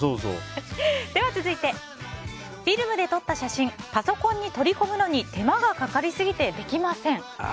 続いて、フィルムで撮った写真パソコンに取り込むのに手間がかかりすぎてできません。